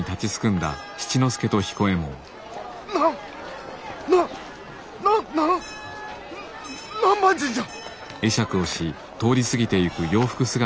なんなっなんなん南蛮人じゃ！